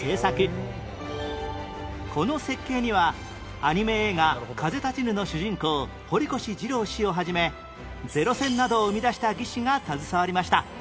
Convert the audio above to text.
この設計にはアニメ映画『風立ちぬ』の主人公堀越二郎氏を始め零戦などを生み出した技師が携わりました